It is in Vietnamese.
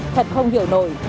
thật không hiểu nổi